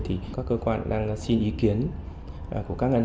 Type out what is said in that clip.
thì đấy là những cấu phần rất là cơ bản